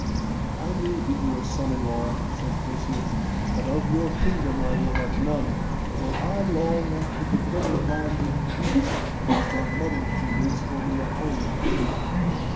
'I will be your son in law,' said Perseus, 'but of your kingdom I will have none, for I long after the pleasant land of Greece, and my mother who waits for me at home.